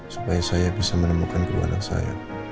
supaya saya bisa menemukan keluarga saya